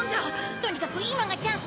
とにかく今がチャンスだ。